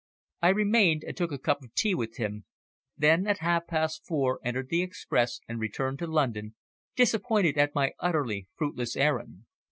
I remained and took a cup of tea with him, then at half past four entered the express and returned to London, disappointed at my utterly fruitless errand.